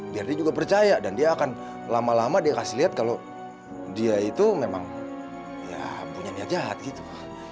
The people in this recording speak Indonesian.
biar dia juga percaya dan dia akan lama lama dia kasih lihat kalau dia itu memang ya punya niat jahat gitu